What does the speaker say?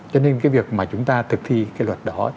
cho nên cái việc mà chúng ta thực thi cái luật đó